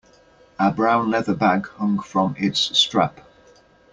A brown leather bag hung from its strap.